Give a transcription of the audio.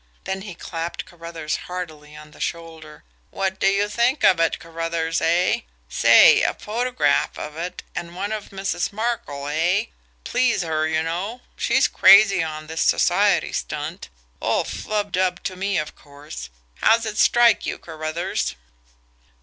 Then he clapped Carruthers heartily on the shoulder. "What do you think of it, Carruthers eh? Say, a photograph of it, and one of Mrs. Markel eh? Please her, you know she's crazy on this society stunt all flubdub to me of course. How's it strike you, Carruthers?"